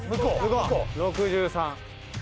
「６３」